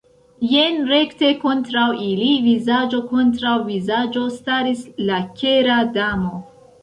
Jen, rekte kontraŭ ili, vizaĝo kontraŭ vizaĝo, staris la Kera Damo.